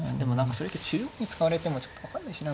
それって中央に使われてもちょっと分かんないしな。